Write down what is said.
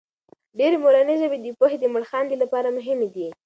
ډېرې مورنۍ ژبې د پوهې د مړخاندې لپاره مهمې دي.